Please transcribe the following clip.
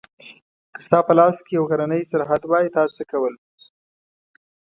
که ستا په لاس کې یو غرنی سرحد وای تا څه کول؟